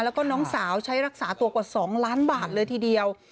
แล้วก็น้องสาวใช้รักษาตัวกว่า๒ล้านบาทเลยทีเดียว